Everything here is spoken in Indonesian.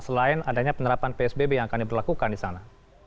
selain adanya penerapan psbb yang akan diberlakukan disana